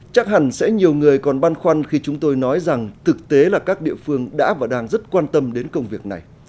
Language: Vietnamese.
chắc hẳn sẽ nhiều người còn băn khoăn khi chúng tôi nói rằng thực tế là các địa phương đã và đang rất quan tâm đến công việc này